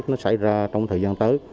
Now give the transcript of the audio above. nó xảy ra trong thời gian tới